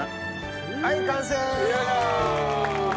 はい完成！